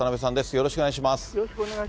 よろしくお願いします。